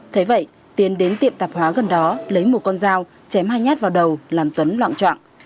thế vậy tiến đến tiệm tạp hóa gần đó lấy một con dao chém hai nhát vào đầu làm tuấn loạn trọng